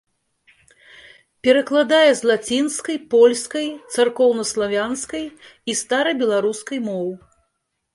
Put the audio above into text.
Перакладае з лацінскай, польскай, царкоўнаславянскай і старабеларускай моў.